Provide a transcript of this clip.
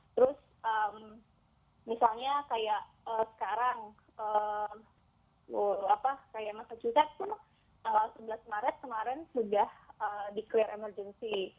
terus misalnya kayak sekarang kayak massachusetts tuh sebelas maret kemarin sudah declare emergency